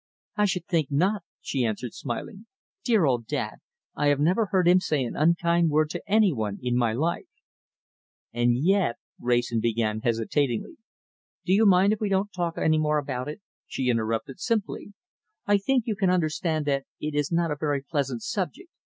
"I should think not," she answered, smiling. "Dear old dad! I have never heard him say an unkind word to any one in my life." "And yet " Wrayson began, hesitatingly. "Do you mind if we don't talk any more about it?" she interrupted simply. "I think you can understand that it is not a very pleasant subject.